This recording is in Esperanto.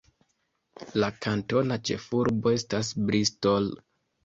La kantona ĉefurbo estas Bristol.